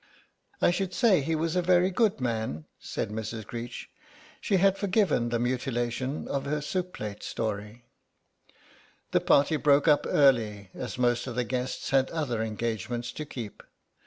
"I should say he was a very good man," said Mrs. Greech; she had forgiven the mutilation of her soup plate story. The party broke up early as most of the guests had other engagements to keep.